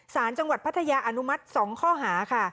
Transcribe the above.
สารจังหวัดพัทยาอนุมัติ๒ข้อหาค่ะ